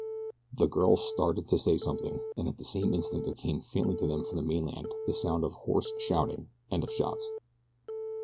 The girl started to say something, and at the same instant there came faintly to them from the mainland the sound of hoarse shouting, and of shots.